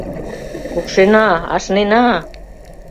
Пукшена, ашнена!